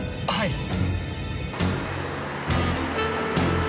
はい。